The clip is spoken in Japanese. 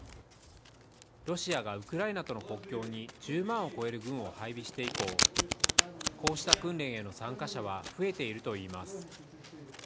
ロシアがウクライナとの国境に１０万を超える軍を配備して以降、こうした訓練への参加者は増えているといいます。